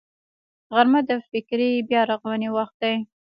غرمه د فکري بیا رغونې وخت دی